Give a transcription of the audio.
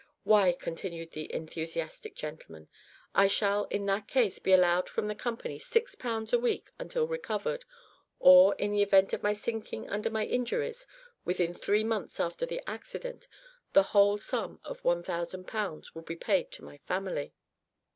"Why," continued the enthusiastic gentleman, "I shall in that case be allowed from the company 6 pounds a week, until recovered, or, in the event of my sinking under my injuries within three months after the accident, the whole sum of 1000 pounds will be paid to my family."